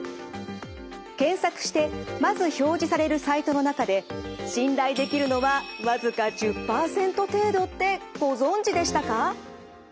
検索してまず表示されるサイトの中で信頼できるのは僅か１０％程度ってご存じでしたか？